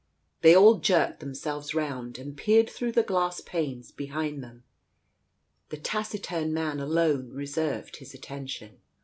They all jerked themselves round, and peered through the glass panes behind them. The taciturn man alone reserved his attention.